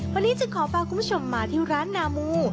วันนี้จะขอพาคุณผู้ชมมาที่ร้านนามู